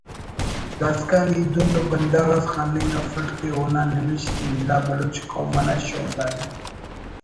داسکان ای دن ءُ بندغ خننگ افٹ کہ اونا نوشت نلا بلوچ قوم انا شونداری